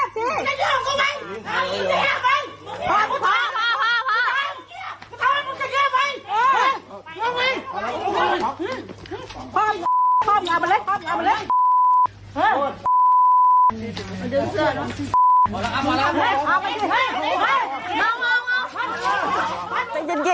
เจ้าบอกแม่เจ้าเนี่ยไป